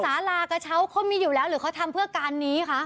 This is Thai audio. สารากระเช้าเขามีอยู่แล้วหรือเขาทำเพื่อการนี้คะ